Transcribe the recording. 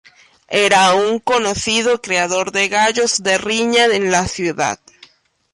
Era un conocido criador de gallos de riña en la ciudad.